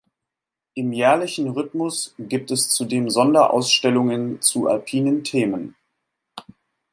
Im jährlichen Rhythmus gibt es zudem Sonderausstellungen zu alpinen Themen.